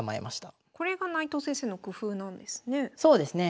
これが内藤先生の工夫なんですね。